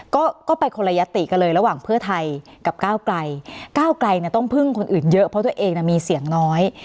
ก็ก็ไปคนละยัตติกันเลยระหว่างเพื่อไทยกับก้าวไกลก้าวไกลเนี่ยต้องพึ่งคนอื่นเยอะเพราะตัวเองมีเสียงน้อย